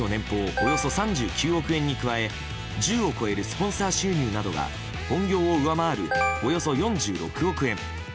およそ３９億円に加え１０を超えるスポンサー収入などが本業を上回るおよそ４６億円。